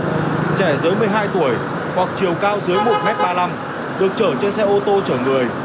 trẻ dưới một mươi hai tuổi hoặc chiều cao dưới một m ba mươi năm được chở trên xe ô tô chở người